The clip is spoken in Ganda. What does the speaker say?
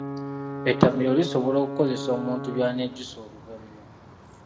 Ettamiiro lisobola okukozesa omuntu by’anejjusa oluvannyuma.